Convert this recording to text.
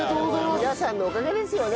皆さんのおかげですよね。